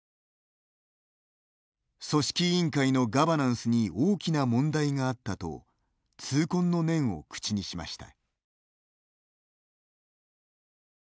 組織委員会のガバナンスに大きな問題があったと痛恨の念を口にしました。